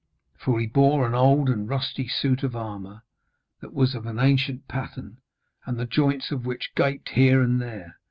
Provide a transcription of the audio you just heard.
For he bore an old and rusty suit of armour that was of an ancient pattern, and the joints of which gaped here and there.